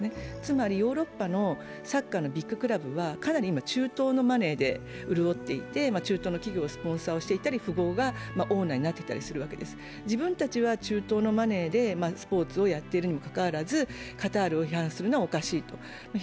つまりヨーロッパのサッカーのビッグクラブはかなり中東のマネーで潤っていて中東の企業、スポンサーをしていたり、富豪がオーナーになっていたりして、自分たちは中東のお金でスポーツをやっているにもかかわらずカタールを批判するのはおかしいと。